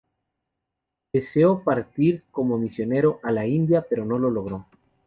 Deseó partir como misionero a la India, pero no lo logró.